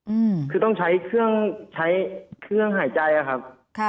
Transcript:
อืมคือต้องใช้เครื่องใช้เครื่องหายใจอะครับค่ะ